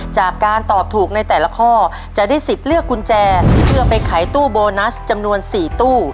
จากการตอบถูกในแต่ละข้อจะได้สิทธิ์เลือกกุญแจเพื่อไปขายตู้โบนัสจำนวน๔ตู้